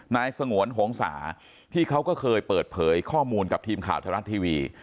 สงวนหงษาที่เขาก็เคยเปิดเผยข้อมูลกับทีมข่าวไทยรัฐทีวี